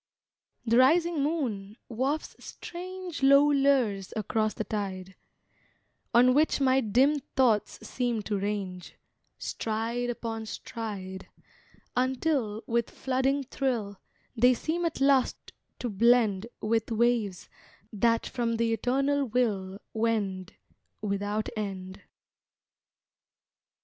The rising moon wafts strange Low lures across the tide, On which my dim thoughts seem to range, Stride Upon stride, Until, with flooding thrill, They seem at last to blend With waves that from the Eternal Will Wend, Without end.